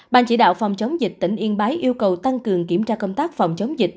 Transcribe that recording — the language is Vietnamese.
ban chỉ đạo phòng chống dịch tỉnh yên bái yêu cầu tăng cường kiểm tra công tác phòng chống dịch